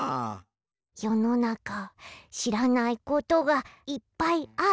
よのなかしらないことがいっぱいあるね。